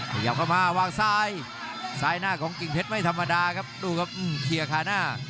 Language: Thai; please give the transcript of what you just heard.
ขยับเข้ามาวางซ้ายซ้ายหน้าของกิ่งเพชรไม่ธรรมดาครับดูครับเคลียร์คาหน้า